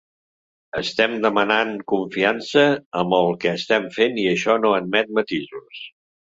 Estem demanant confiança amb el que estem fent i això no admet matisos.